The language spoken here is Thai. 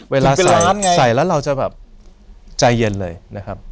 เวลาใส่ใส่แล้วเราจะแบบใจเย็นเลยนะครับ